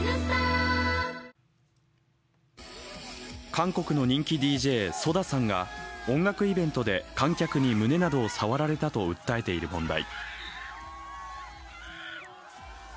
韓国の人気ＤＪ、ＳＯＤＡさんが音楽イベントで観客に胸などを触られたと訴えている問題。